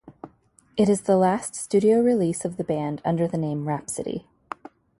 It is the last studio release of the band under the name Rhapsody.